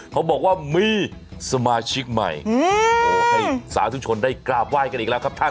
เขาบอกว่ามีสมาชิกใหม่ให้สาธุชนได้กราบไหว้กันอีกแล้วครับท่าน